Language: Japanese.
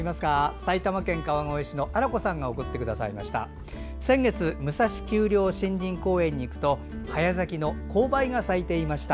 埼玉県川越市のあらこさんから送っていただきました。